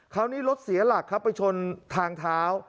รถเสียหลักครับไปชนทางเท้า